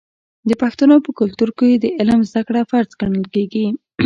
د پښتنو په کلتور کې د علم زده کړه فرض ګڼل کیږي.